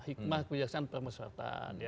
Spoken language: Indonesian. hikmah kebijaksanaan permusyawaratan